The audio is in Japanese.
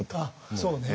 そうね。